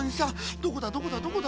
どこだどこだどこだ？